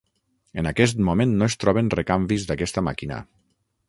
En aquest moment no es troben recanvis d'aquesta màquina.